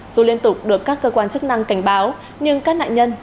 dù liên tục được các cơ quan chức năng cảnh báo nhưng các nạn nhân